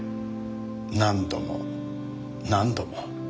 何度も何度も。